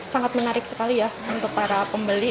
sangat menarik sekali ya untuk para pembeli